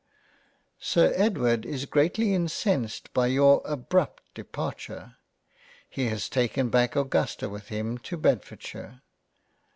Sir Edward is greatly incensed by your abrupt departure ; he has taken back Augusta with him to Bedford shire.